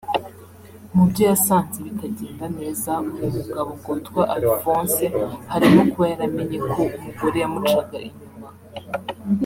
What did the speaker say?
Mubyo yasanze bitagenda neza uwo mugabo ngo witwa Alphonse harimo kuba yaramenye ko umugore yamucaga inyuma